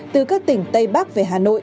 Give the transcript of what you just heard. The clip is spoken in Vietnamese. từ các tỉnh tây bắc về hà nội